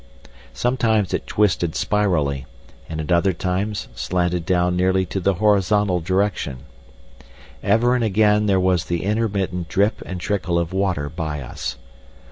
Sometimes it twisted spirally, and at other times slanted down nearly to the horizontal direction. Ever and again there was the intermittent drip and trickle of water by us.